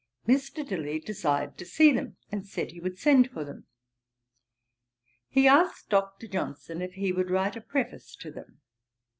Mr. Dilly desired to see them, and said he would send for them. He asked Dr. Johnson if he would write a Preface to them.